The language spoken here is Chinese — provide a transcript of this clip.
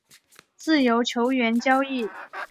自由球员交易